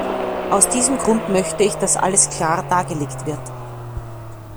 Aus diesem Grund möchte ich, dass alles klar dargelegt wird.